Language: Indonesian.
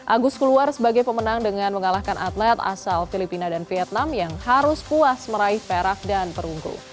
agus keluar sebagai pemenang dengan mengalahkan atlet asal filipina dan vietnam yang harus puas meraih perak dan perunggu